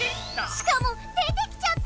しかも出てきちゃった！